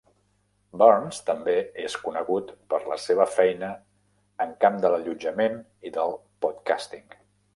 Burns també és conegut per la seva feina en camp de l'allotjament i del podcasting.